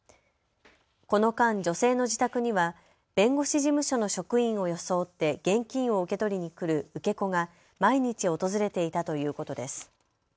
この間、女性の自宅には弁護士事務所の職員を装って現金を受け取りに来る受け子が毎日訪れていたということです。